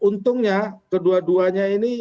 dan untungnya kedua duanya ini yang berdua partai